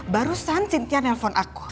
barusan cynthia nelpon aku